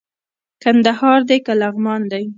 کندهار دئ که لغمان دئ